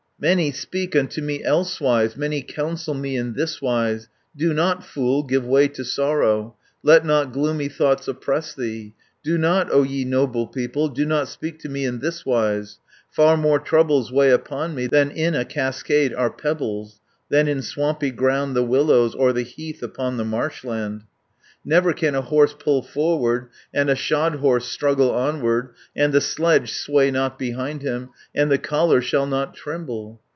"Many speak unto me elsewise, Many counsel me in thiswise: 'Do not, fool, give way to sorrow, Let not gloomy thoughts oppress thee.' Do not, O ye noble people, Do not speak to me in thiswise! Far more troubles weigh upon me, Than in a cascade are pebbles, 440 Than in swampy ground the willows, Or the heath upon the marshland. Never can a horse pull forward, And a shod horse struggle onward, And the sledge sway not behind him, And the collar shall not tremble.